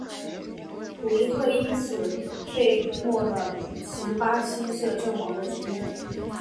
葡议会因此废黜了其巴西摄政王的职务。